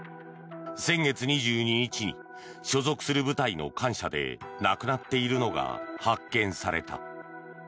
先月２２日に所属する部隊の官舎で亡くなっているのが発見された。